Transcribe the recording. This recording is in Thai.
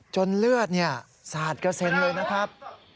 เลือดสาดกระเซ็นเลยนะครับ